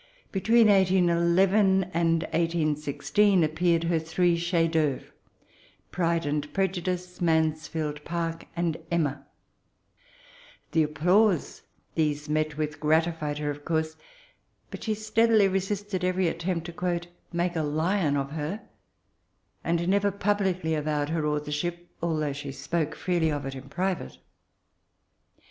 Between 1811 and 1816 appeared her three chefs ^'autre — Pride and Pre judice, Mansfidd Park, and Emma, The applause these met with, grati fied her, of course; but she steadily resisted every attempt to *< make a Hon of her," and never publidy avowed her authorship, although she spoke freely of it in private.